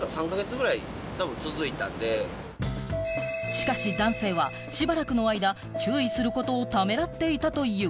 しかし男性はしばらくの間、注意することをためらっていたという。